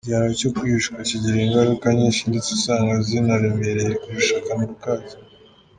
Igihano cyo kwicwa kigira ingaruka nyinshi ndetse usanga zinaremereye kurusha akamaro kacyo:.